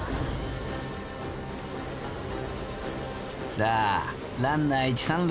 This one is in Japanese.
［さあランナー一・三塁］